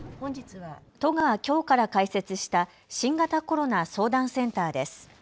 都がきょうから開設した新型コロナ相談センターです。